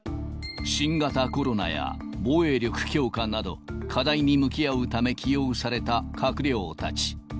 新型コロナや防衛力強化など、課題に向き合うため起用された閣僚たち。